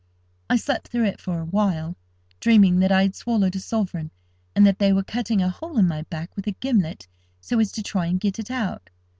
I slept through it for a while, dreaming that I had swallowed a sovereign, and that they were cutting a hole in my back with a gimlet, so as to try and get it out.